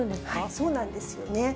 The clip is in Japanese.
そうなんですよね。